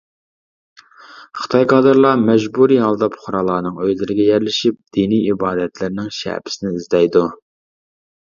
خىتاي كادىرلار مەجبۇرىي ھالدا پۇقرالارنىڭ ئۆيلىرىگە يەرلىشىپ، دىنى ئىبادەتلەرنىڭ شەپىسىنى ئىزدەيدۇ.